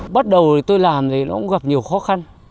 bắt đầu tôi làm thì nó cũng gặp nhiều khó khăn